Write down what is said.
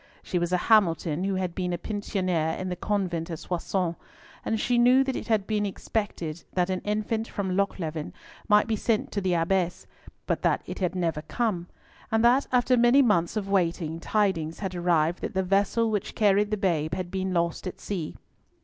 She was a Hamilton who had been a pensionnaire in the convent at Soissons, and she knew that it had been expected that an infant from Lochleven might be sent to the Abbess, but that it had never come, and that after many months of waiting, tidings had arrived that the vessel which carried the babe had been lost at sea.